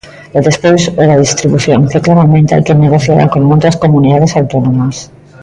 E despois o da distribución, que claramente hai que negociala con outras comunidades autónomas.